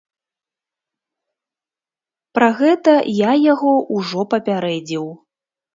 Пра гэта я яго ўжо папярэдзіў.